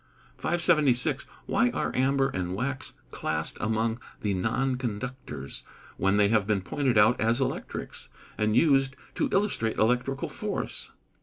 576. _Why are amber and wax classed among the non conductors, when they have been pointed out as electrics, and used to illustrate electrical force?